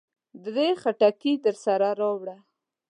درې خټکي درسره راوړه.